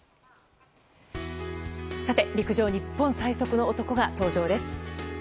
陸上日本最速の男が登場です。